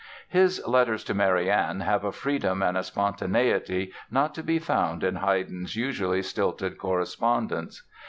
His letters to Marianne have a freedom and a spontaneity not to be found in Haydn's usually stilted correspondence.